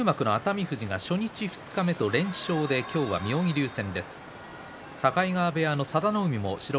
返り入幕の熱海富士は初日、二日目と連勝で今日、妙義龍戦。